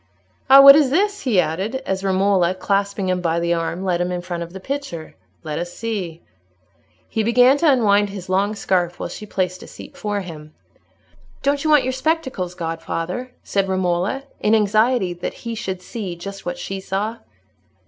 Ah, what is this?" he added, as Romola, clasping him by the arm, led him in front of the picture. "Let us see." He began to unwind his long scarf while she placed a seat for him. "Don't you want your spectacles, godfather?" said Romola, in anxiety that he should see just what she saw.